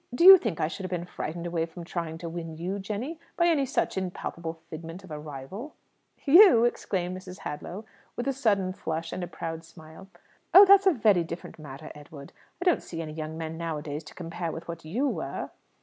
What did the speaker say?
Do you think I should have been frightened away from trying to win you, Jenny, by any such impalpable figment of a rival?" "You?" exclaimed Mrs. Hadlow, with a sudden flush and a proud smile. "Oh, that's a very different matter, Edward. I don't see any young men nowadays to compare with what you were."